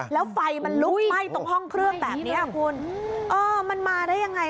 แล้วไฟมันลุกไหม้ตรงห้องเครื่องแบบเนี้ยคุณเออมันมาได้ยังไง